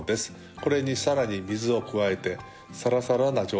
これにさらに水を加えてサラサラな状態にします。